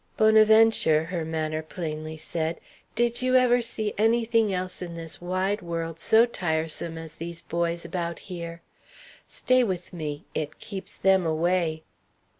"Bonaventure," her manner plainly said, "did you ever see any thing else in this wide world so tiresome as these boys about here? Stay with me; it keeps them away."